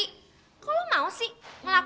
kok lo mau sih